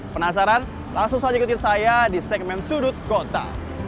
penasaran langsung saja ikutin saya di segmen sudut kota